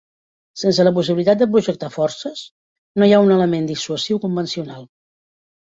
Sense la possibilitat de projectar forces, no hi ha un element dissuasiu convencional.